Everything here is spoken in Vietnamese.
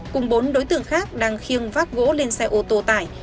cùng bốn đối tượng khác đang khiêng vác gỗ lên xe ô tô tải